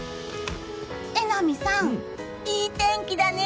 榎並さん、いい天気だね。